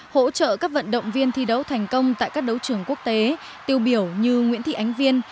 hỗ trợ các vận động viên thi đấu thành công tại các đấu trường quốc tế tiêu biểu như nguyễn thị ánh viên